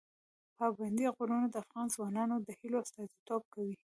پابندي غرونه د افغان ځوانانو د هیلو استازیتوب کوي.